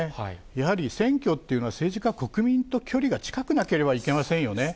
やはり選挙というのは、政治家、国民と距離が近くなければいけませんよね。